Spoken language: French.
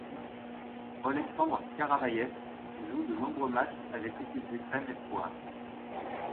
Oleksandr Karavayev joue de nombreux matchs avec l'équipe d'Ukraine espoirs.